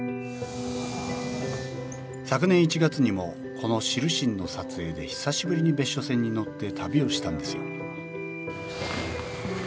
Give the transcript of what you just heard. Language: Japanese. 昨年１月にもこの「知るしん」の撮影で久しぶりに別所線に乗って旅をしたんですよ